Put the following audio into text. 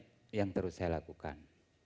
itu yang terus saya lakukan